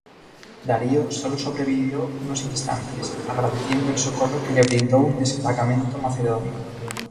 Darío sólo sobrevivió unos instantes, agradeciendo el socorro que le brindó un destacamento macedonio.